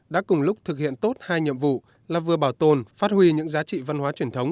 đã cùng lúc thực hiện tốt hai nhiệm vụ là vừa bảo tồn phát huy những giá trị văn hóa truyền thống